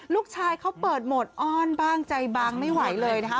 ลูกชายเขาเปิดโหมดอ้อนบ้างใจบางไม่ไหวเลยนะคะ